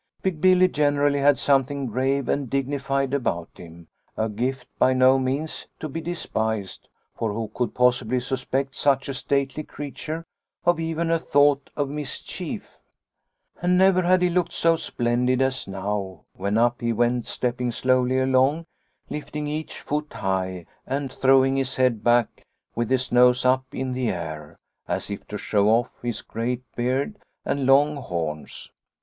" Big Billy generally had something grave and dignified about him, a gift by no means to be despised, for who could possibly suspect such a stately creature of even a thought of mis chief ? And never had he looked so splendid as now when up he went stepping slowly along, lifting each foot high and throwing his head back with his nose up in the air, as if to show off his great beard and long horns.